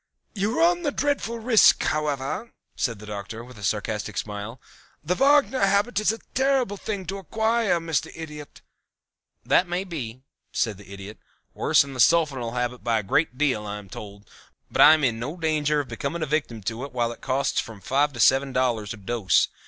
"You run a dreadful risk, however," said the Doctor, with a sarcastic smile. "The Wagner habit is a terrible thing to acquire, Mr. Idiot." "That may be," said the Idiot. "Worse than the sulfonal habit by a great deal I am told, but I am in no danger of becoming a victim to it while it costs from five to seven dollars a dose.